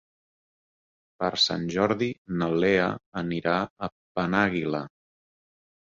Per Sant Jordi na Lea anirà a Penàguila.